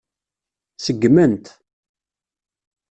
Seggmen-t.